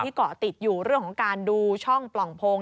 เกาะติดอยู่เรื่องของการดูช่องปล่องโพง